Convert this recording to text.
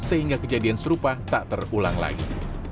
sehingga kejadian serupa tak terulang lagi